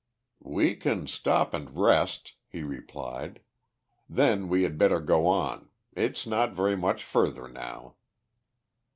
"We can stop and rest," he replied. "Then we had better go on. It's not very much further now."